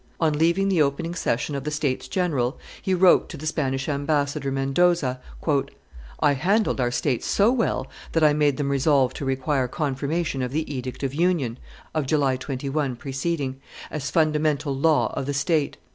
On leaving the opening session of the states general, he wrote to the Spanish ambassador Mendoza, "I handled our states so well that I made them resolve to require confirmation of the edict of union (of July 21 preceding) as fundamental law of the state.